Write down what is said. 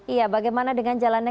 iya bagaimana dengan jalannya